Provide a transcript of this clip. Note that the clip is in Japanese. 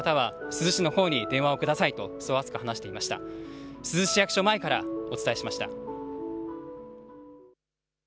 珠洲市役所前からお伝えしました。